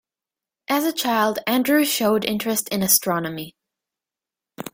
As a child Andrew showed interest in astronomy.